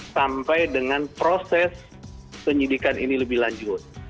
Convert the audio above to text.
sampai dengan proses penyidikan ini lebih lanjut